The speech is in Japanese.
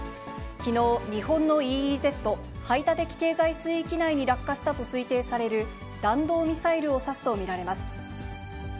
きのう、日本のＥＥＺ・排他的経済水域内に落下したと推定される弾道ミサイルを指すと見られます。